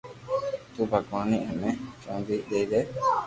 تو ڀگواناوني ھيم چونڌي دئي دي